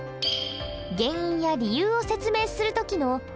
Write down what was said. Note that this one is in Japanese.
原因や理由を説明する時の「なぜなら」。